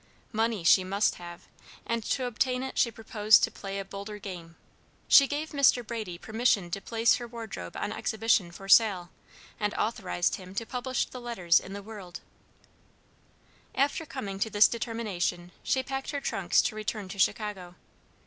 Money she must have, and to obtain it she proposed to play a bolder game. She gave Mr. Brady permission to place her wardrobe on exhibition for sale, and authorized him to publish the letters in the World. After coming to this determination, she packed her trunks to return to Chicago.